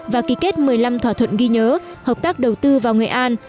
và ký kết một mươi năm thỏa thuận ghi nhớ hợp tác đầu tư vào nghệ an